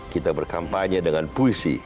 kita berkampanye dengan puisi